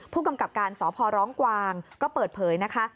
ผู้กำกับการสพร้องกวางก็เปิดเผยนะคะ